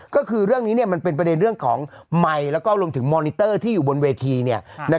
ก็คือเรื่องนี้มันเป็นประเด็นเรื่องของไมค์แล้วก็รวมถึงมอนิเตอร์ที่อยู่บนเวที